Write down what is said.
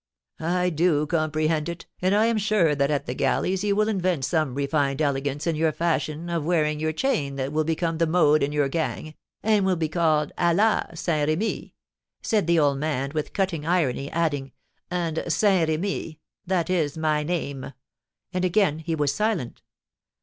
"I do comprehend it, and I am sure that at the galleys you will invent some refined elegance in your fashion of wearing your chain that will become the mode in your gang, and will be called à la Saint Remy," said the old man, with cutting irony, adding, "and Saint Remy, that is my name!" And again he was silent.